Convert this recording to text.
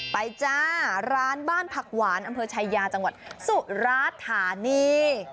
จ้าร้านบ้านผักหวานอำเภอชายาจังหวัดสุราธานี